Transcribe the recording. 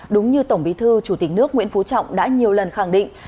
đúng như tổng bí thư chủ tịch nước nguyễn phú trọng đã nhiều lần khẳng định